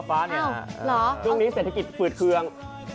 ช่วงนี้เศรษฐกิจฝืดเคือง